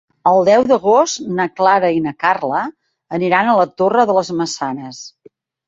El deu d'agost na Clara i na Carla aniran a la Torre de les Maçanes.